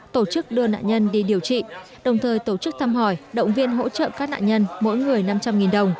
tổ chức đưa nạn nhân đi điều trị đồng thời tổ chức thăm hỏi động viên hỗ trợ các nạn nhân mỗi người năm trăm linh đồng